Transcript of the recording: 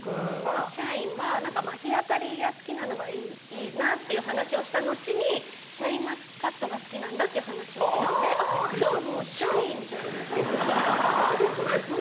シャインは日当たりが好きなのがいいなっていう話をした後にシャインマスカットが好きなんだって話をしてたのでじゃあシャインじゃんって。